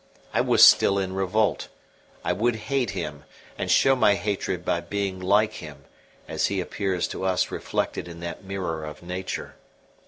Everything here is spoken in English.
I was still in revolt: I would hate Him, and show my hatred by being like Him, as He appears to us reflected in that mirror of Nature.